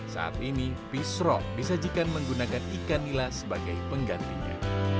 saat ini pishro disajikan menggunakan ikan nila sebagai penggantinya